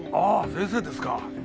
ああ先生ですか。